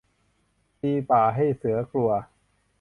ตีป่าให้เสือกลัว